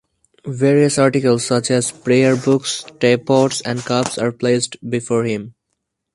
Various articles, such as prayerbooks, teapots, and cups, are placed before him.